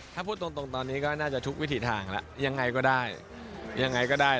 ถ้าพูดตรงตอนนี้ก็น่าจะทุกวิถีทางละยังไงก็ได้